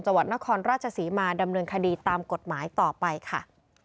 จังหวัดนครราชศรีมาดำเนินคดีตามกฎหมายต่อไปค่ะ